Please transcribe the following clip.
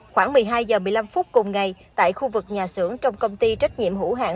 khoảng một mươi hai h một mươi năm phút cùng ngày tại khu vực nhà xưởng trong công ty trách nhiệm hữu hạng